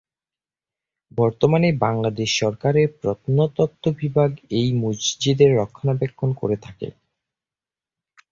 বর্তমানে বাংলাদেশ সরকারের প্রত্নতত্ত্ব বিভাগ এই মসজিদের রক্ষণাবেক্ষণ করে থাকে।